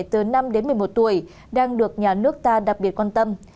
từ năm đến một mươi một tuổi đang được nhà nước ta đặc biệt quan tâm